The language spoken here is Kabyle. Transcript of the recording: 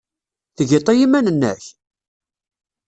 Tgiḍ-t i yiman-nnek?